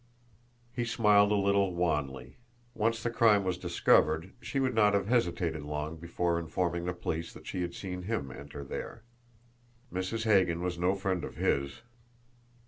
He smiled a little wanly. Once the crime was discovered, she would not have hesitated long before informing the police that she had seen him enter there! Mrs. Hagan was no friend of his!